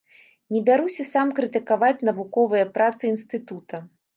Не бяруся сам крытыкаваць навуковыя працы інстытута.